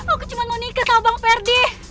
aku cuma mau nikah sama bang ferdi